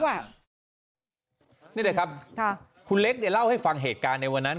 นี่เดี๋ยวครับคุณเล็กเดี๋ยวเล่าให้ฟังเหตุการณ์ในวันนั้น